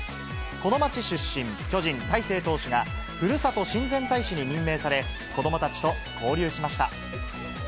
この町出身、巨人、大勢投手がふるさと親善大使に任命され、子どもたちと交流しました。